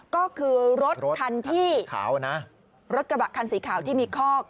ก็คือรถกระบะคันสีขาวที่มีข้อก